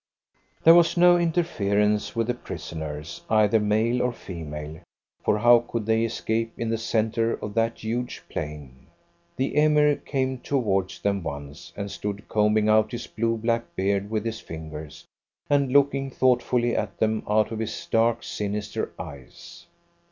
There was no interference with the prisoners, either male or female, for how could they escape in the centre of that huge plain? The Emir came towards them once, and stood combing out his blue black beard with his fingers, and looking thoughtfully at them out of his dark, sinister eyes.